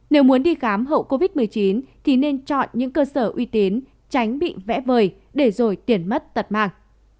nếu muốn đi khám hậu covid một mươi chín thì nên chọn những cơ sở uy tín tránh bị vẽ vời để rồi tiền mất tật mang